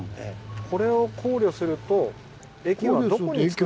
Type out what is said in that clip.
これを考慮すると駅はどこにつくったら。